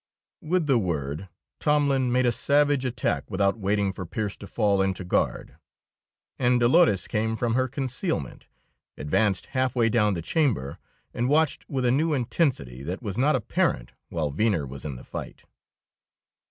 With the word Tomlin made a savage attack without waiting for Pearse to fall into guard. And Dolores came from her concealment, advanced half way down the chamber, and watched with a new intensity that was not apparent while Venner was in the fight.